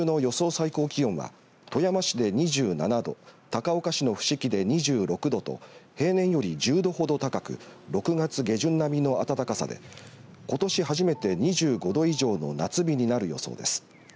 最高気温は富山市で２７度高岡市の伏木で２６度と平年より１０度ほど高く６月下旬並みの暖かさでことし初めて２５度以上の夏日になる予想です。